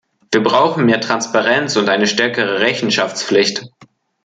Wir brauchen mehr Transparenz und eine stärkere Rechenschaftspflicht.